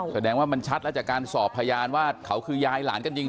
แสดงว่ามันชัดแล้วจากการสอบพยานว่าเขาคือยายหลานกันจริง